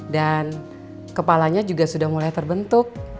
dan kepalanya juga sudah mulai terbentuk